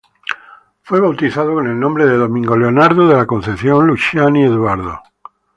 Fue bautizado con el nombre de Domingo Leonardo de la Concepción Luciani Eduardo.